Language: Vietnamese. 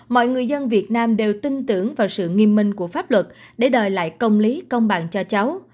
mọi người dân việt nam đều tin tưởng vào sự nghiêm minh của pháp luật để đòi lại công lý công bằng cho cháu